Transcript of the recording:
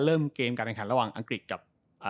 เริ่มเกมการแข่งขันระหว่างอังกฤษกับ